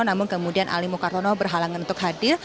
namun kemudian ali mukartono berhalangan untuk hadir